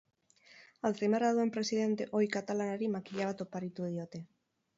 Alzheimerra duen presidente ohi katalanari makila bat oparitu diote.